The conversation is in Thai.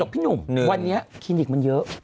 พี่หนุ่มวันนี้คลินิกมันเยอะ